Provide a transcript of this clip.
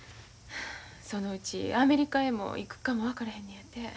そのうちアメリカへも行くかも分からへんのやて。